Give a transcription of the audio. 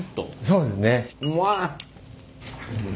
そうですね。